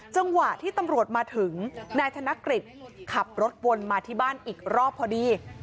จังหวะที่ตำรวจมาถึงนายธนกฤษขับรถวนมาที่บ้านอีกรอบพอดี